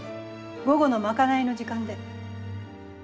午後の賄いの時間で。